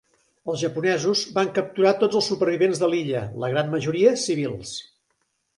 Els japonesos van capturar a tots els supervivents de l'illa, la gran majoria civils.